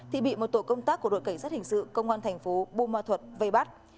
thì bị một tổ công tác của đội cảnh sát hình sự công an tp bông an thuật vây bắt